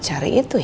kita sudah cabain